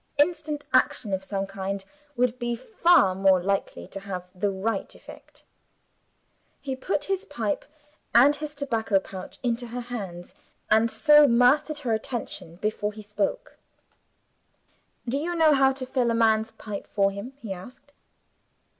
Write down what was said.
Instant action, of some kind, would be far more likely to have the right effect. He put his pipe and his tobacco pouch into her hands, and so mastered her attention before he spoke. "Do you know how to fill a man's pipe for him?" he asked.